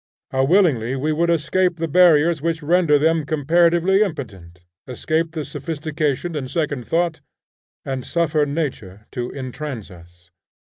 How willingly we would escape the barriers which render them comparatively impotent, escape the sophistication and second thought, and suffer nature to intrance us.